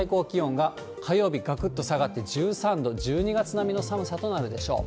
がくっと下がって１３度、１２月並みの寒さとなるでしょう。